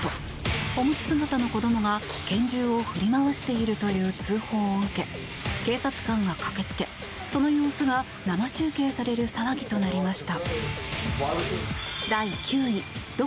おむつ姿の子どもが拳銃を振り回しているという通報を受け警察官が駆けつけその様子が生中継される騒ぎとなりました。